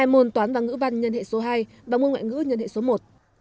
hai môn toán và ngữ văn nhân hệ số hai và môn ngoại ngữ nhân hệ số một